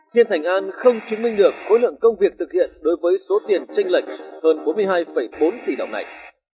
thiên thành an không chứng minh được khối lượng công việc thực hiện đối với số tiền tranh lệch hơn bốn mươi hai bốn tỷ đồng này